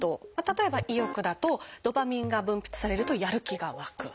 例えば「意欲」だとドパミンが分泌されるとやる気がわく。